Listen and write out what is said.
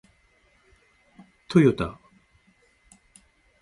トヨタ